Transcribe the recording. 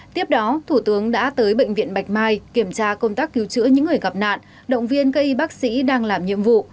tiếp đó thủ tướng đã tới bệnh viện bạch mai kiểm tra công tác cứu chữa những người gặp nạn động viên cây bác sĩ đang làm nhiệm vụ